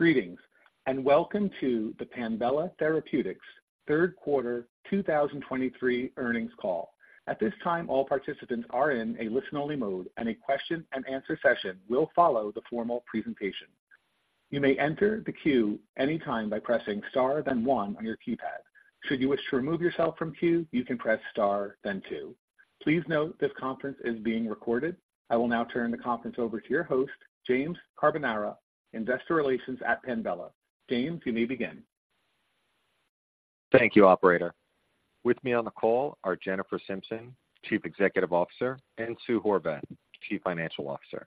Greetings, and welcome to the Panbela Therapeutics Third Quarter 2023 Earnings Call. At this time, all participants are in a listen-only mode, and a question-and-answer session will follow the formal presentation. You may enter the queue anytime by pressing Star then one on your keypad. Should you wish to remove yourself from queue, you can press Star then two. Please note, this conference is being recorded. I will now turn the conference over to your host, James Carbonara, Investor Relations at Panbela. James, you may begin. Thank you, operator. With me on the call are Jennifer Simpson, Chief Executive Officer, and Sue Horvath, Chief Financial Officer.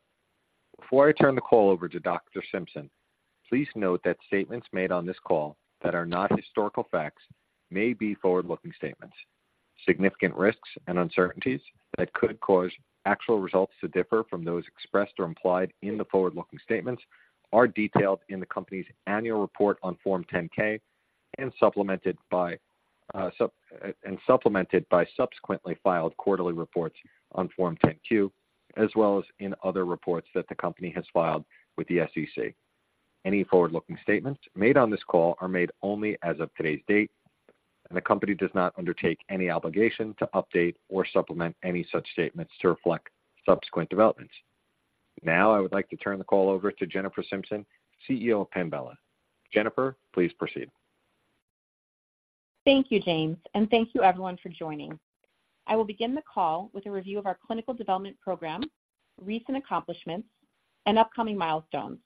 Before I turn the call over to Dr. Simpson, please note that statements made on this call that are not historical facts may be forward-looking statements. Significant risks and uncertainties that could cause actual results to differ from those expressed or implied in the forward-looking statements are detailed in the company's annual report on Form 10-K, and supplemented by subsequently filed quarterly reports on Form 10-Q, as well as in other reports that the company has filed with the SEC. Any forward-looking statements made on this call are made only as of today's date, and the company does not undertake any obligation to update or supplement any such statements to reflect subsequent developments. Now, I would like to turn the call over to Jennifer Simpson, CEO of Panbela. Jennifer, please proceed. Thank you, James, and thank you everyone for joining. I will begin the call with a review of our clinical development program, recent accomplishments, and upcoming milestones.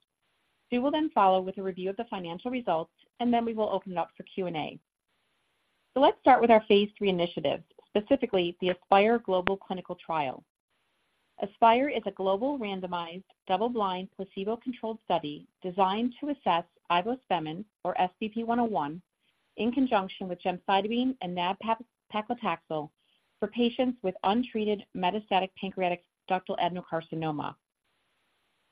Sue will then follow with a review of the financial results, and then we will open it up for Q&A. So let's start with our phase III initiative, specifically the ASPIRE global clinical trial. ASPIRE is a global randomized, double-blind, placebo-controlled study designed to assess ivospemin, or SBP-101, in conjunction with gemcitabine and nab-paclitaxel for patients with untreated metastatic pancreatic ductal adenocarcinoma.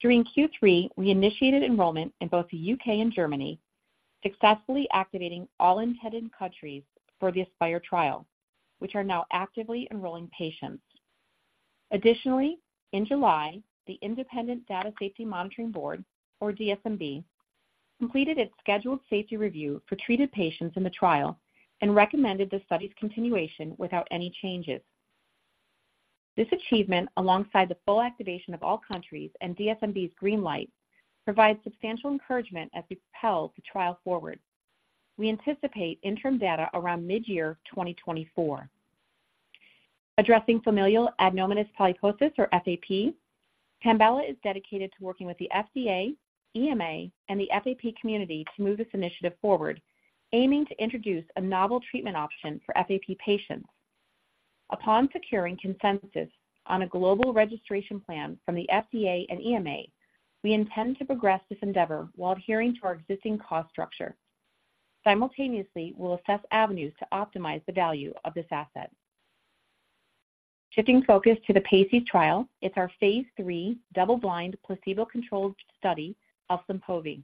During Q3, we initiated enrollment in both the U.K. and Germany, successfully activating all intended countries for the ASPIRE trial, which are now actively enrolling patients. Additionally, in July, the Independent Data Safety Monitoring Board, or DSMB, completed its scheduled safety review for treated patients in the trial and recommended the study's continuation without any changes. This achievement, alongside the full activation of all countries and DSMB's green light, provides substantial encouragement as we propel the trial forward. We anticipate interim data around mid-year 2024. Addressing familial adenomatous polyposis, or FAP, Panbela is dedicated to working with the FDA, EMA, and the FAP community to move this initiative forward, aiming to introduce a novel treatment option for FAP patients. Upon securing consensus on a global registration plan from the FDA and EMA, we intend to progress this endeavor while adhering to our existing cost structure. Simultaneously, we'll assess avenues to optimize the value of this asset. Shifting focus to the PACE trial, it's our phase III double-blind, placebo-controlled study of Flynpovi.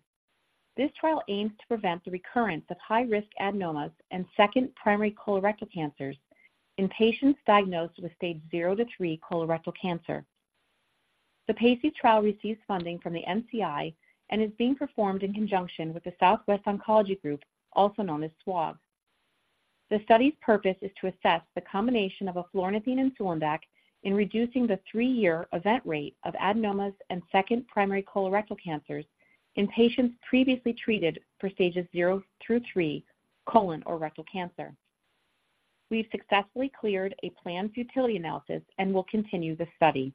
This trial aims to prevent the recurrence of high-risk adenomas and second primary colorectal cancers in patients diagnosed with stage 0 to three colorectal cancer. The PACE trial receives funding from the NCI and is being performed in conjunction with the Southwest Oncology Group, also known as SWOG. The study's purpose is to assess the combination of eflornithine and sulindac in reducing the three-year event rate of adenomas and second primary colorectal cancers in patients previously treated for stages zero through three colon or rectal cancer. We've successfully cleared a planned futility analysis and will continue the study.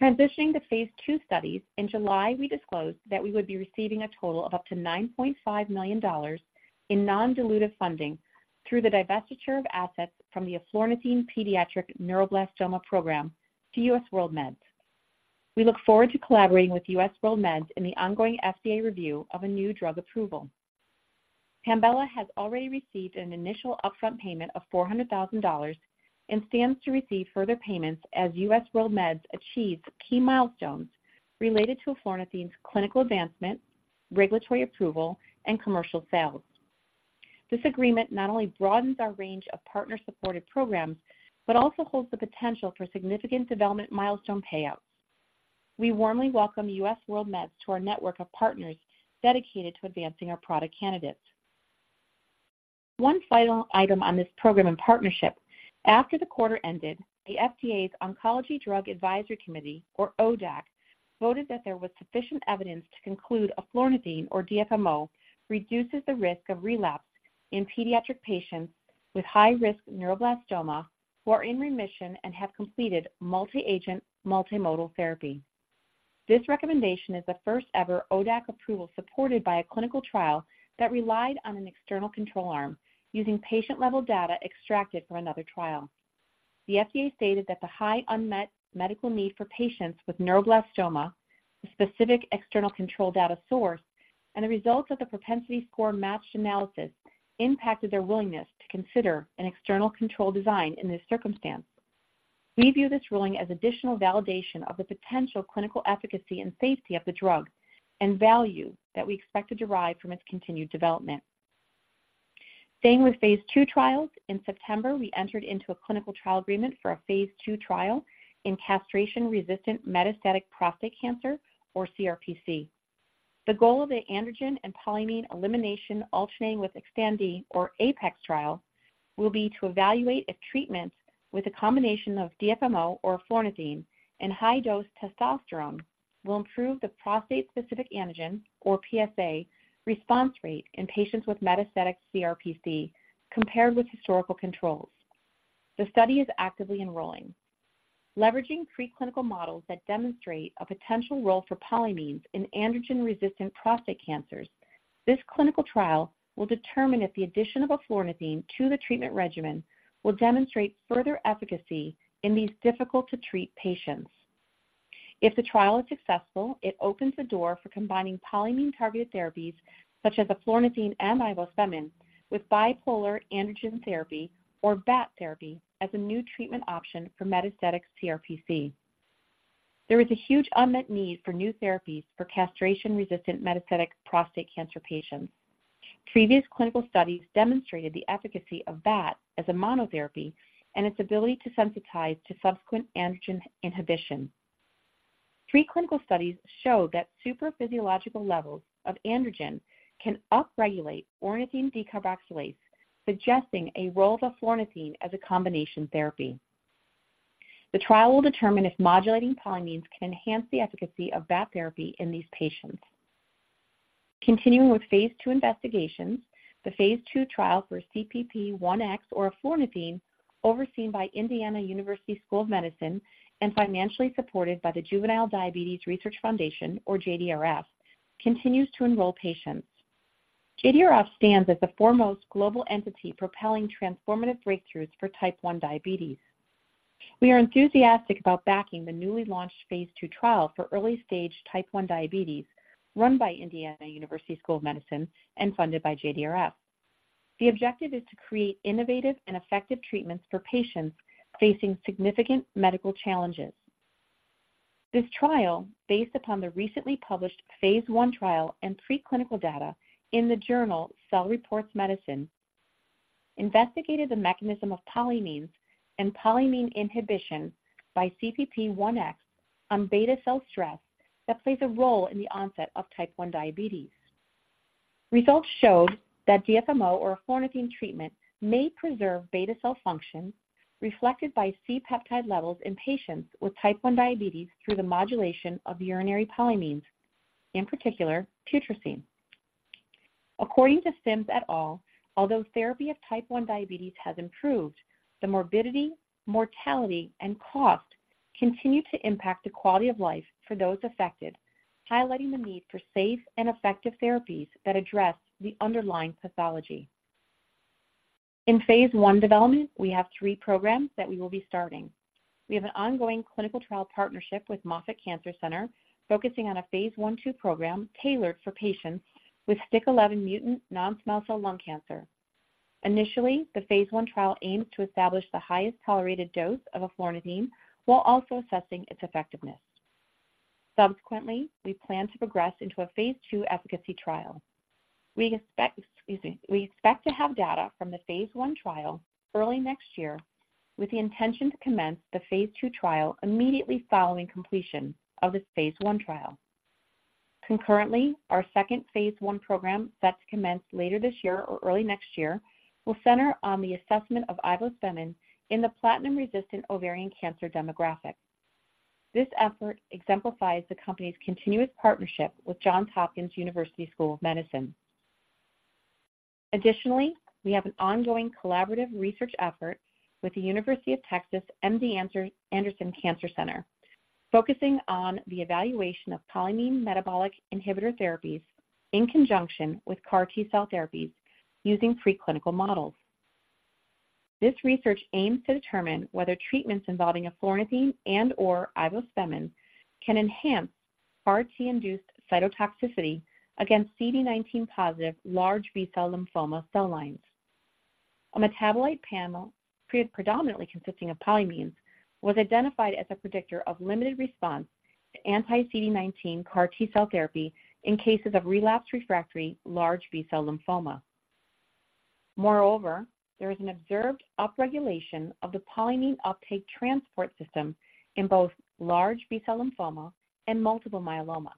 Transitioning to phase II studies, in July, we disclosed that we would be receiving a total of up to $9.5 million in non-dilutive funding through the divestiture of assets from the eflornithine pediatric neuroblastoma program to U.S. WorldMeds. We look forward to collaborating with U.S. WorldMeds in the ongoing FDA review of a new drug approval. Panbela has already received an initial upfront payment of $400,000 and stands to receive further payments as U.S. WorldMeds achieves key milestones related to eflornithine's clinical advancement, regulatory approval, and commercial sales. This agreement not only broadens our range of partner-supported programs, but also holds the potential for significant development milestone payouts. We warmly welcome U.S. WorldMeds to our network of partners dedicated to advancing our product candidates. One final item on this program and partnership. After the quarter ended, the FDA's Oncologic Drugs Advisory Committee, or ODAC, voted that there was sufficient evidence to conclude eflornithine, or DFMO, reduces the risk of relapse in pediatric patients with high-risk neuroblastoma who are in remission and have completed multi-agent, multimodal therapy. This recommendation is the first-ever ODAC approval supported by a clinical trial that relied on an external control arm using patient-level data extracted from another trial. The FDA stated that the high unmet medical need for patients with neuroblastoma, the specific external control data source, and the results of the propensity score-matched analysis impacted their willingness to consider an external control design in this circumstance. We view this ruling as additional validation of the potential clinical efficacy and safety of the drug and value that we expect to derive from its continued development.... Staying with phase II trials, in September, we entered into a clinical trial agreement for a phase II trial in castration-resistant metastatic prostate cancer, or CRPC. The goal of the androgen and polyamine elimination alternating with Xtandi, or APEX trial, will be to evaluate if treatments with a combination of DFMO or eflornithine and high-dose testosterone will improve the prostate-specific antigen, or PSA, response rate in patients with metastatic CRPC compared with historical controls. The study is actively enrolling. Leveraging preclinical models that demonstrate a potential role for polyamines in androgen-resistant prostate cancers, this clinical trial will determine if the addition of eflornithine to the treatment regimen will demonstrate further efficacy in these difficult-to-treat patients. If the trial is successful, it opens the door for combining polyamine-targeted therapies such as eflornithine and ivospemin, with bipolar androgen therapy, or BAT therapy, as a new treatment option for metastatic CRPC. There is a huge unmet need for new therapies for castration-resistant metastatic prostate cancer patients. Previous clinical studies demonstrated the efficacy of BAT as a monotherapy and its ability to sensitize to subsequent androgen inhibition. Preclinical studies show that supraphysiological levels of androgen can upregulate ornithine decarboxylase, suggesting a role of eflornithine as a combination therapy. The trial will determine if modulating polyamines can enhance the efficacy of BAT therapy in these patients. Continuing with phase II investigations, the phase II trial for CPP-1X or eflornithine, overseen by Indiana University School of Medicine and financially supported by the Juvenile Diabetes Research Foundation, or JDRF, continues to enroll patients. JDRF stands as the foremost global entity propelling transformative breakthroughs for type 1 diabetes. We are enthusiastic about backing the newly launched phase II trial for early-stage type 1 diabetes, run by Indiana University School of Medicine and funded by JDRF. The objective is to create innovative and effective treatments for patients facing significant medical challenges. This trial, based upon the recently published phase I trial and preclinical data in the journal, Cell Reports Medicine, investigated the mechanism of polyamines and polyamine inhibition by CPP-1X on beta cell stress that plays a role in the onset of type 1 diabetes. Results showed that DFMO or eflornithine treatment may preserve beta cell function, reflected by C-peptide levels in patients with type 1 diabetes through the modulation of urinary polyamines, in particular, putrescine. According to Sims et al, although therapy of type 1 diabetes has improved, the morbidity, mortality, and cost continue to impact the quality of life for those affected, highlighting the need for safe and effective therapies that address the underlying pathology. In phase I development, we have three programs that we will be starting. We have an ongoing clinical trial partnership with Moffitt Cancer Center, focusing on a phase I/II program tailored for patients with STK11 mutant non-small cell lung cancer. Initially, the phase I trial aims to establish the highest tolerated dose of eflornithine while also assessing its effectiveness. Subsequently, we plan to progress into a phase II efficacy trial. We expect, excuse me. We expect to have data from the phase I trial early next year, with the intention to commence the phase II trial immediately following completion of this phase I trial. Concurrently, our second phase I program, set to commence later this year or early next year, will center on the assessment of ivospemin in the platinum-resistant ovarian cancer demographic. This effort exemplifies the company's continuous partnership with Johns Hopkins University School of Medicine. Additionally, we have an ongoing collaborative research effort with the University of Texas MD Anderson Cancer Center, focusing on the evaluation of polyamine metabolic inhibitor therapies in conjunction with CAR T-cell therapies using preclinical models. This research aims to determine whether treatments involving eflornithine and/or ivospemin can enhance CAR T-induced cytotoxicity against CD19-positive large B-cell lymphoma cell lines. A metabolite panel predominantly consisting of polyamines, was identified as a predictor of limited response to anti-CD19 CAR T-cell therapy in cases of relapsed/refractory large B-cell lymphoma. Moreover, there is an observed upregulation of the polyamine uptake transport system in both large B-cell lymphoma and multiple myeloma.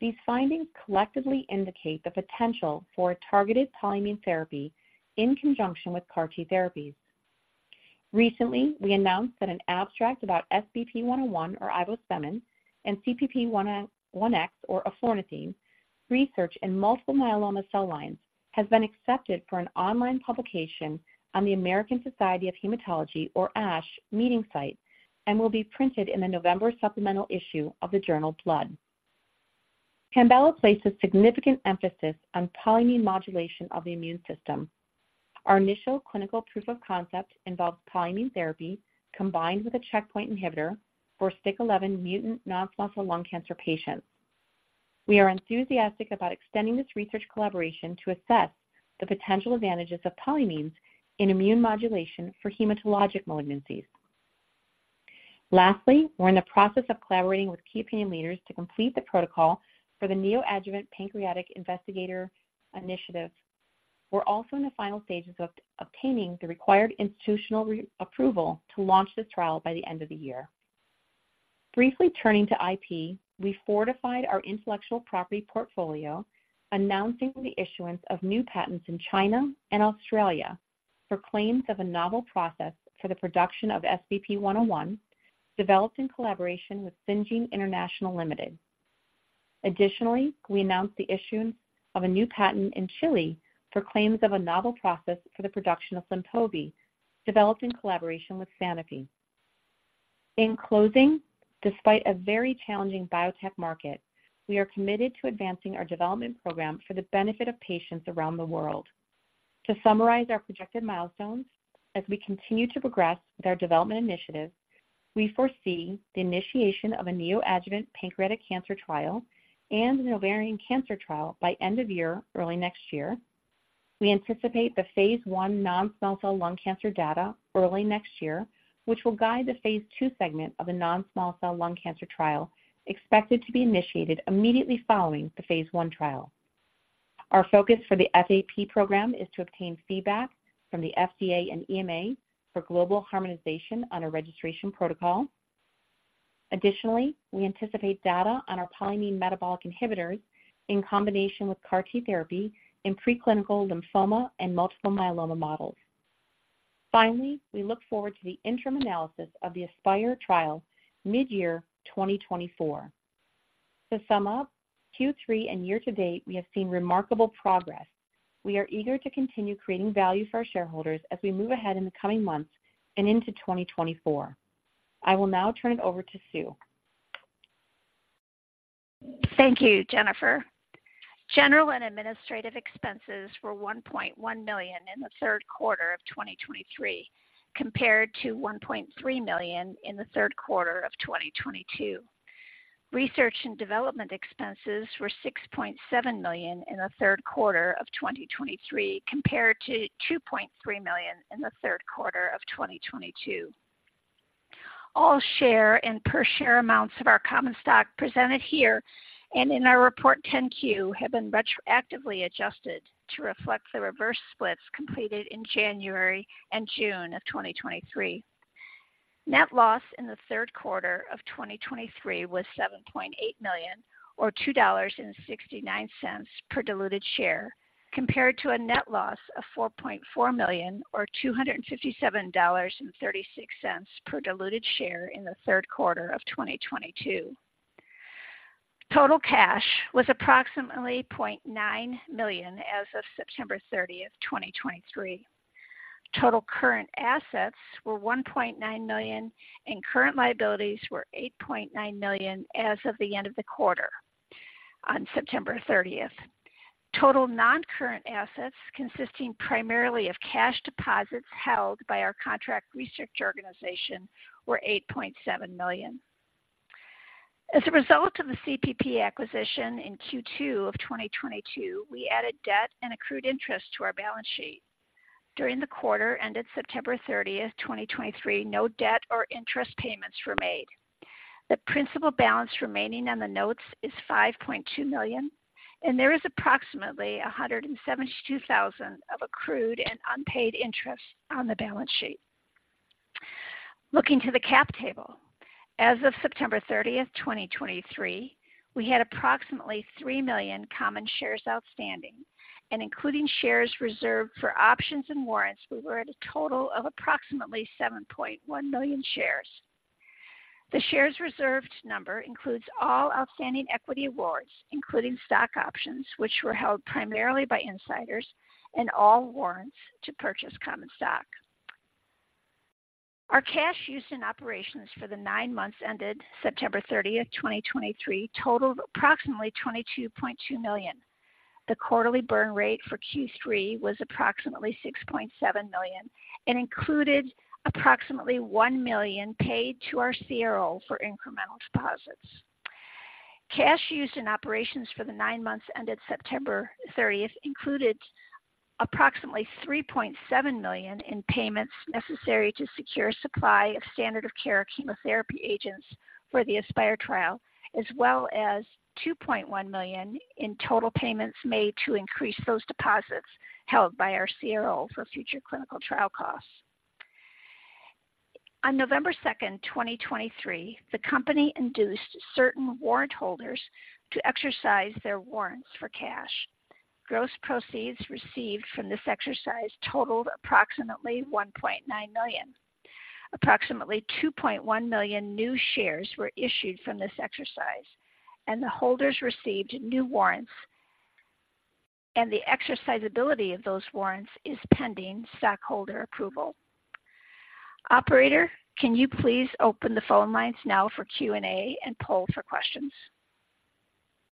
These findings collectively indicate the potential for a targeted polyamine therapy in conjunction with CAR T therapies. Recently, we announced that an abstract about SBP-101 or ivospemin, and CPP-1X or eflornithine, research in multiple myeloma cell lines has been accepted for an online publication on the American Society of Hematology, or ASH, meeting site, and will be printed in the November supplemental issue of the journal Blood. Panbela places significant emphasis on polyamine modulation of the immune system. Our initial clinical proof of concept involves polyamine therapy combined with a checkpoint inhibitor for STK11 mutant non-small cell lung cancer patients. We are enthusiastic about extending this research collaboration to assess the potential advantages of polyamines in immune modulation for hematologic malignancies. Lastly, we're in the process of collaborating with key opinion leaders to complete the protocol for the neoadjuvant pancreatic investigator initiative. We're also in the final stages of obtaining the required institutional re-approval to launch this trial by the end of the year. Briefly turning to IP, we fortified our intellectual property portfolio, announcing the issuance of new patents in China and Australia for claims of a novel process for the production of SBP-101, developed in collaboration with Syngene International Ltd. Additionally, we announced the issuance of a new patent in Chile for claims of a novel process for the production of Flynpovi, developed in collaboration with Sanofi. In closing, despite a very challenging biotech market, we are committed to advancing our development program for the benefit of patients around the world. To summarize our projected milestones, as we continue to progress with our development initiatives, we foresee the initiation of a neoadjuvant pancreatic cancer trial and an ovarian cancer trial by end of year, early next year. We anticipate the phase I non-small cell lung cancer data early next year, which will guide the phase II segment of a non-small cell lung cancer trial, expected to be initiated immediately following the phase I trial. Our focus for the FAP program is to obtain feedback from the FDA and EMA for global harmonization on a registration protocol. Additionally, we anticipate data on our polyamine metabolic inhibitors in combination with CAR T therapy in preclinical lymphoma and multiple myeloma models. Finally, we look forward to the interim analysis of the ASPIRE trial, midyear 2024. To sum up, Q3 and year to date, we have seen remarkable progress. We are eager to continue creating value for our shareholders as we move ahead in the coming months and into 2024. I will now turn it over to Sue. Thank you, Jennifer. General and administrative expenses were $1.1 million in the third quarter of 2023, compared to $1.3 million in the third quarter of 2022. Research and development expenses were $6.7 million in the third quarter of 2023, compared to $2.3 million in the third quarter of 2022. All share and per share amounts of our common stock presented here and in our Form 10-Q, have been retroactively adjusted to reflect the reverse splits completed in January and June of 2023. Net loss in the third quarter of 2023 was $7.8 million, or $2.69 per diluted share, compared to a net loss of $4.4 million, or $257.36 per diluted share in the third quarter of 2022. Total cash was approximately $0.9 million as of September 30, 2023. Total current assets were $1.9 million, and current liabilities were $8.9 million as of the end of the quarter on September 30, 2023. Total non-current assets, consisting primarily of cash deposits held by our contract research organization, were $8.7 million. As a result of the CPP acquisition in Q2 of 2022, we added debt and accrued interest to our balance sheet. During the quarter ended September 30, 2023, no debt or interest payments were made. The principal balance remaining on the notes is $5.2 million, and there is approximately $172,000 of accrued and unpaid interest on the balance sheet. Looking to the cap table, as of September 30, 2023, we had approximately 3 million common shares outstanding, and including shares reserved for options and warrants, we were at a total of approximately 7.1 million shares. The shares reserved number includes all outstanding equity awards, including stock options, which were held primarily by insiders and all warrants to purchase common stock. Our cash used in operations for the nine months ended September 30, 2023, totaled approximately $22.2 million. The quarterly burn rate for Q3 was approximately $6.7 million and included approximately $1 million paid to our CRO for incremental deposits. Cash used in operations for the nine months ended September 30 included approximately $3.7 million in payments necessary to secure supply of standard of care chemotherapy agents for the ASPIRE trial, as well as $2 million in total payments made to increase those deposits held by our CRO for future clinical trial costs. On November 2, 2023, the company induced certain warrant holders to exercise their warrants for cash. Gross proceeds received from this exercise totaled approximately $1.9 million. Approximately 2.1 million new shares were issued from this exercise, and the holders received new warrants, and the exercisability of those warrants is pending stockholder approval. Operator, can you please open the phone lines now for Q&A and poll for questions?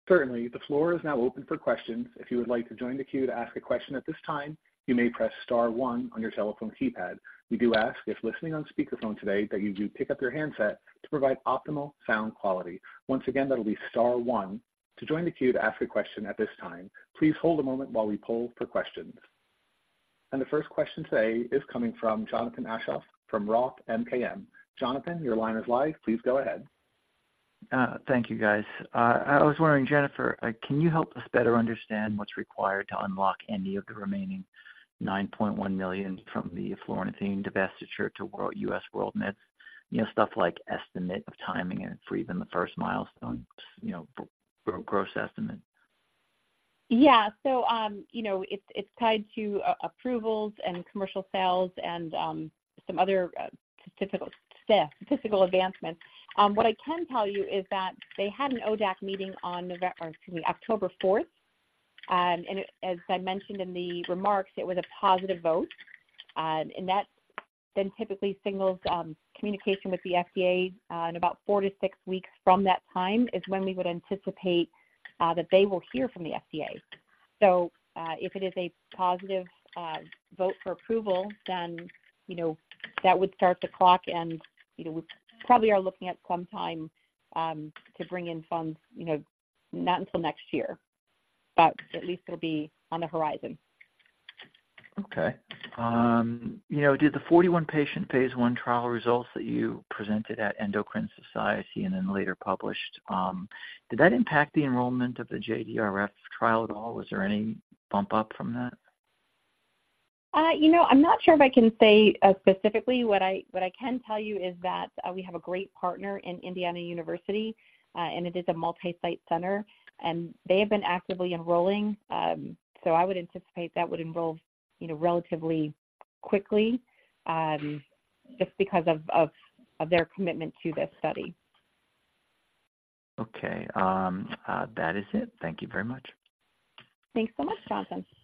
Certainly. The floor is now open for questions. If you would like to join the queue to ask a question at this time, you may press star one on your telephone keypad. We do ask, if listening on speakerphone today, that you do pick up your handset to provide optimal sound quality. Once again, that'll be star one to join the queue to ask a question at this time. Please hold a moment while we poll for questions.... The first question today is coming from Jonathan Aschoff from Roth MKM. Jonathan, your line is live. Please go ahead. Thank you, guys. I was wondering, Jennifer, can you help us better understand what's required to unlock any of the remaining $9.1 million from the eflornithine divestiture to U.S. WorldMeds? You know, stuff like estimate of timing and for even the first milestone, you know, for gross estimate. Yeah. So, you know, it's tied to approvals and commercial sales and some other statistical advancements. What I can tell you is that they had an ODAC meeting on November or excuse me, October fourth. And as I mentioned in the remarks, it was a positive vote. And that then typically signals communication with the FDA in about four to six weeks from that time, is when we would anticipate that they will hear from the FDA. So, if it is a positive vote for approval, then, you know, that would start the clock and, you know, we probably are looking at some time to bring in funds, you know, not until next year, but at least it'll be on the horizon. Okay. You know, did the 41 patient phase I trial results that you presented at Endocrine Society and then later published, did that impact the enrollment of the JDRF trial at all? Was there any bump up from that? You know, I'm not sure if I can say specifically. What I can tell you is that we have a great partner in Indiana University, and it is a multi-site center, and they have been actively enrolling. So I would anticipate that would enroll, you know, relatively quickly, just because of their commitment to this study. Okay. That is it. Thank you very much. Thanks so much, Jonathan. Thank you.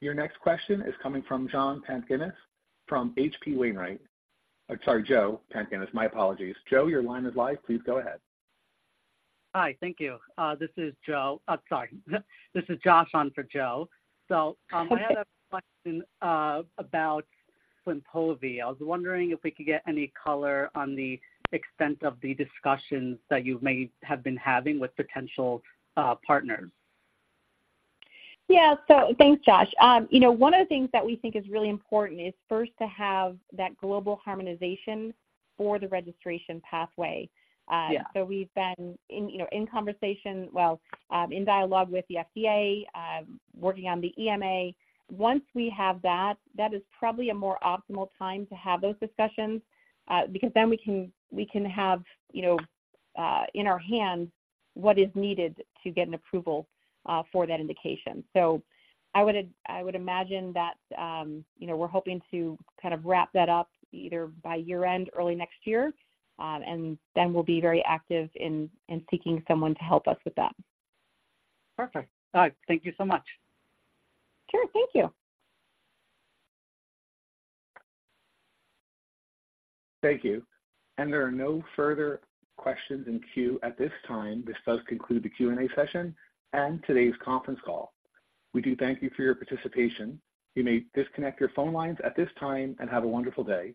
Your next question is coming from John Pantginis from H.C. Wainwright. Sorry, Joe Pantginis, my apologies. Joe, your line is live. Please go ahead. Hi. Thank you. This is Joe. Sorry, this is Josh on for Joe. Okay. So, I have a question about Flynpovi. I was wondering if we could get any color on the extent of the discussions that you may have been having with potential partners? Yeah. So thanks, Josh. You know, one of the things that we think is really important is first to have that global harmonization for the registration pathway. Yeah. So we've been in, you know, in conversation, well, in dialogue with the FDA, working on the EMA. Once we have that, that is probably a more optimal time to have those discussions, because then we can, we can have, you know, in our hands what is needed to get an approval, for that indication. So I would, I would imagine that, you know, we're hoping to kind of wrap that up either by year-end, early next year. And then we'll be very active in, in seeking someone to help us with that. Perfect. All right. Thank you so much. Sure. Thank you. Thank you. And there are no further questions in queue at this time. This does conclude the Q&A session and today's conference call. We do thank you for your participation. You may disconnect your phone lines at this time and have a wonderful day.